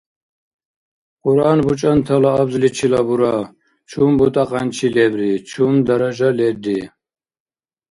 Кьуръан бучӏантала абзличила бура: чум бутӏакьянчи лебри, чум даража лерри?